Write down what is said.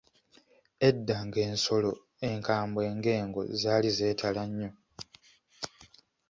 Edda ng’ensolo enkambwe ng’engo zaali zeetala nnyo.